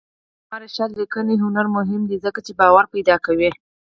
د علامه رشاد لیکنی هنر مهم دی ځکه چې باور پیدا کوي.